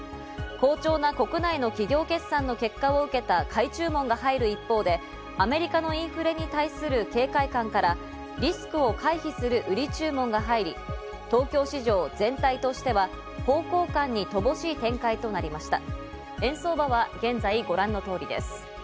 好調な国内の企業決算の結果を受けた買い注文が入る一方で、アメリカのインフレに対する警戒感からリスクを回避する売り注文が入り、東京市場全体としては方向感に乏しい展開となりました。